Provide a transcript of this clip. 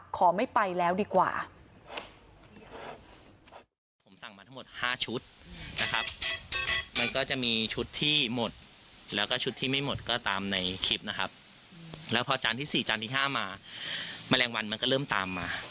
ขอไม่ไปแล้วดีกว่า